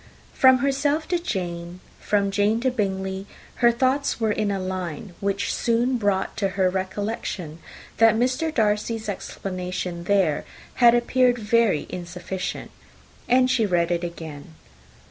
From herself to Jane, from Jane to Bingley, her thoughts were in a line which soon brought to her recollection that Mr. Darcy's explanation there had appeared very insufficient; and she read it again.